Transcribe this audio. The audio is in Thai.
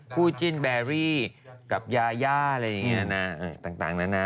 ผู้จิ้นแบรี่กับยาอะไรอย่างนี้นะต่างนั้นนะ